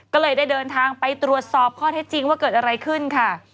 ก็เลยได้เดินทางไปตรวจสอบข้อเท็จจริงว่าเกิดอะไรขึ้นค่ะ